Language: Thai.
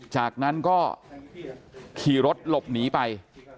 จากนั้นก็ขี่รถหลบหนีไป